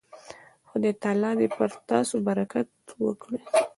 خدای تعالی دې پر تاسو برکت وکړي.